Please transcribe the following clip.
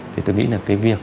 thì tôi nghĩ là cái việc